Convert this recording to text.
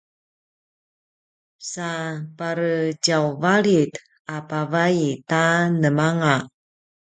sa pare tjauvalit a pavay ta nemanga